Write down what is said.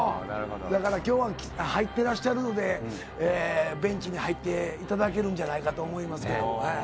今日は入ってらっしゃるので、ベンチに入っていただけるんじゃないかなと思います。